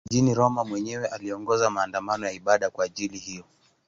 Mjini Roma mwenyewe aliongoza maandamano ya ibada kwa ajili hiyo.